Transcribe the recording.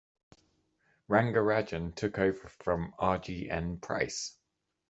Rangarajan took over from R G N Price.